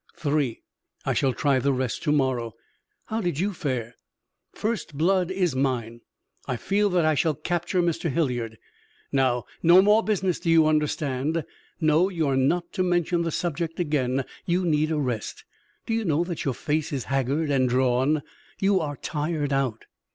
"Three. I shall try the rest to morrow. How did you fare?" "First blood is mine. I feel that I shall capture Mr. Hilliard. Now, no more business, do you understand? No, you are not to mention the subject again. You need a rest. Do you know that your face is haggard and drawn? You are tired out."